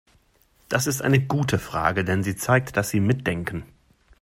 Das ist eine gute Frage, denn sie zeigt, dass Sie mitdenken.